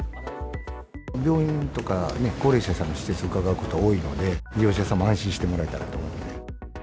病院とか高齢者さんの施設に伺うことが多いので、利用者様に安心してもらえたらと思って。